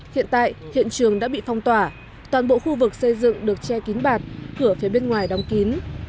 hiện tại hiện trường đã bị phong tỏa toàn bộ khu vực xây dựng được che kín bạt cửa phía bên ngoài đóng kín